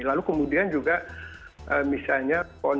lalu kemudian juga misalnya